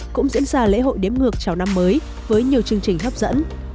cũng diễn ra lễ hội đếm ngược chào năm mới với nhiều chương trình hấp dẫn